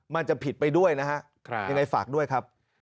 มันจะผิดไปด้วยนะฮะยังไงฝากด้วยครับ